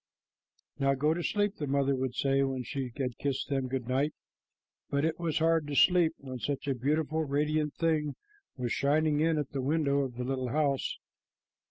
"Now go to sleep," the mother would say when she had kissed them good night, but it was hard to go to sleep when such a beautiful, radiant thing was shining in at the window of the little house.